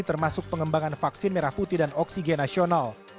termasuk pengembangan vaksin merah putih dan oksigen nasional